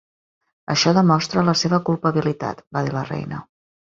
"Això demostra la seva culpabilitat", va dir la reina.